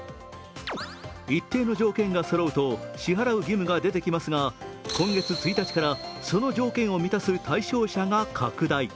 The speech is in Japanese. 一定の条件がそろうと、支払う義務が出てきますが今月１日から、その条件を満たす対象者が拡大。